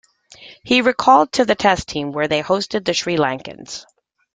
He was recalled to the Test team where they hosted the Sri Lankans.